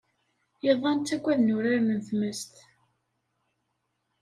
Iḍan ttaggaden uraren n tmest.